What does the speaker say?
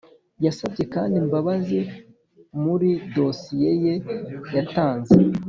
yasabye kandi imbabazi muri dosiye ye yatanze.